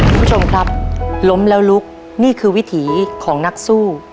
คุณผู้ชมครับล้มแล้วลุกนี่คือวิถีของนักสู้